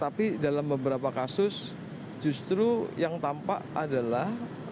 tapi dalam beberapa kasus justru yang tampak adalah